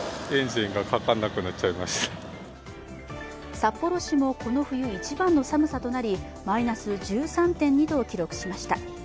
札幌市もこの冬一番の寒さとなりマイナス１３．２度を記録しました。